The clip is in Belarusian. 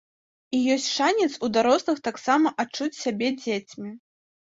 І ёсць шанец у дарослых таксама адчуць сябе дзецьмі.